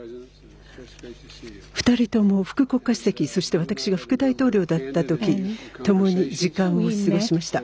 ２人とも副国家主席、そして私は副大統領だったとき、共に時間を過ごしました。